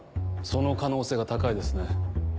その可能性が高いですね。